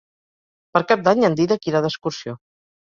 Per Cap d'Any en Dídac irà d'excursió.